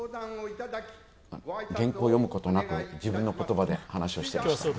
原稿を読むことなく、自分の言葉で話をしていました。